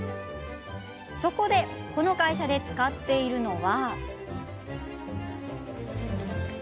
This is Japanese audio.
そこでこの会社で使っているのは。